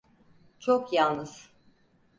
Çok yalnız.